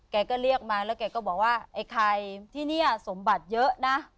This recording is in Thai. แกก็เรียกมาแล้วแกก็บอกว่าไอ้ไข่ที่นี่สมบัติเยอะนะ